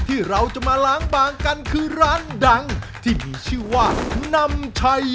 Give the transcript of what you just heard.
ที่เราจะมาล้างบางกันคือร้านดังที่มีชื่อว่านำชัย